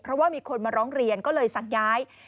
เพราะว่ามีคนมาร้องเรียนก็เลยสั่งย้าย